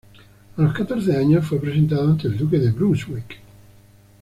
A los catorce años, fue presentado ante el duque de Brunswick.